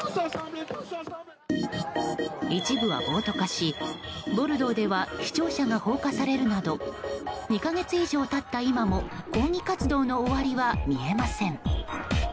一部は暴徒化し、ボルドーでは市庁舎が放火されるなど２か月以上経った今も抗議活動の終わりは見えません。